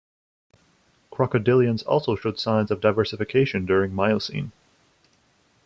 Crocodilians also showed signs of diversification during Miocene.